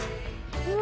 うわ！